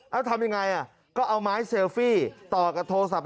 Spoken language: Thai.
แล้วทำยังไงก็เอาไม้เซลฟี่ต่อกับโทรศัพท์